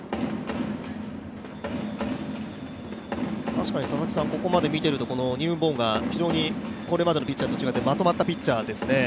確かにここまで見ていると、ニューンボーンが非常にこれまでのピッチャーと違ってまとまったピッチャーですね。